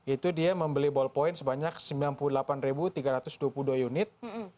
itu dia membeli ballpoint sebanyak sembilan puluh delapan tiga ratus dua puluh dua unit